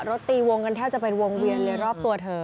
ตีวงกันแทบจะเป็นวงเวียนเลยรอบตัวเธอ